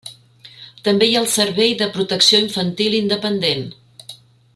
També hi ha el Servei de Protecció Infantil independent.